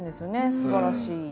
すばらしい。